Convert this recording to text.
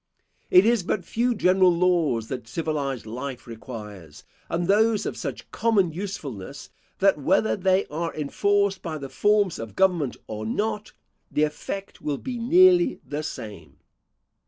It is but few general laws that civilised life requires, and those of such common usefulness, that whether they are enforced by the forms of government or not, the effect will be nearly the same.